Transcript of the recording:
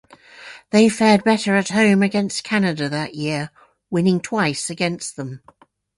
They fared better at home against Canada that year, winning twice against them.